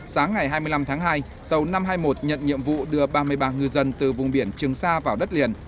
sáng ngày hai mươi năm tháng hai tàu năm trăm hai mươi một nhận nhiệm vụ đưa ba mươi ba ngư dân từ vùng biển trường sa vào đất liền